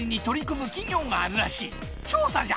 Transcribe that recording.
調査じゃ！